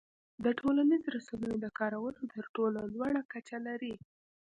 د ټولنیزو رسنیو د کارولو تر ټولو لوړه کچه لري.